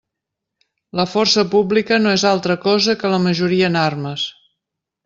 La força pública no és altra cosa que la majoria en armes.